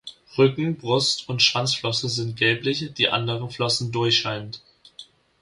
Rücken-, Brust- und Schwanzflosse sind gelblich, die anderen Flossen durchscheinend.